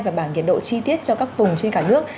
và bảng nhiệt độ chi tiết cho các vùng trên cả nước